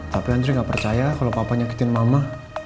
tapi andri gak percaya kalau papa nyakitin mama